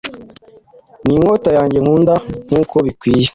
Ninkota yanjye nkundankuko bikwiye